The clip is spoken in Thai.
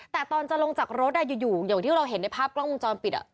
แต่ตอนจะลงจากรถอยู่อย่างที่เราเห็นในภาพกล้องวงจรปิด